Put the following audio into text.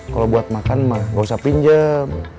kalau buat makan mah nggak usah pinjem